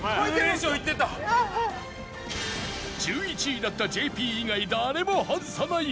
１１位だった ＪＰ 以外誰も外さない